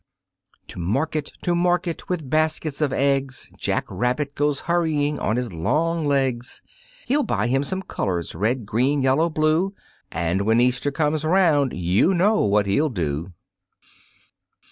To market, to market, with baskets of eggs, Jack Rabbit goes hurrying on his long legs; He'll buy him some colors red, green, yellow, blue, And when Easter comes 'round you know what he'll do.